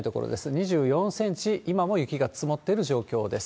２４センチ、今も雪が積もっている状況です。